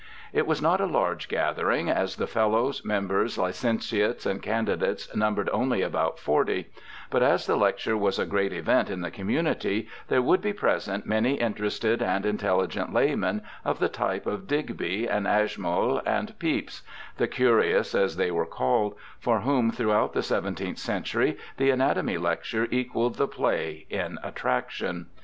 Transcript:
^ It was not a large gathering, as the Fellows, members, licentiates, and candidates numbered only about forty ; but as the lecture was a great event in the community', there would be present many interested and intelligent laymen, of the type of Digb}^ and Ashmole, and Pepys— the * curious ', as they were called, for whom throughout the seventeenth century the anatomy lecture equalled the play in attraction.